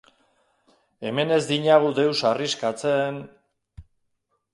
Hemen ez dinagu deus arriskatzen...